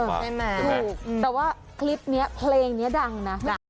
แต่ว่าคลิปนี้เพลงนี้ดังนะ